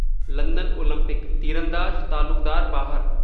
London Olympic तीरंदाज तालुकदार बाहर